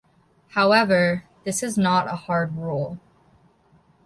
However this is not a hard rule.